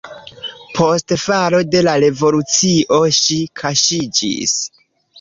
Post falo de la revolucio ŝi kaŝiĝis.